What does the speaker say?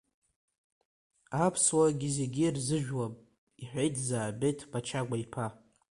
Аԥсуаагьы зегьы ирзыжәуам, — иҳәеит Заабеҭ Мачагәа-иԥа.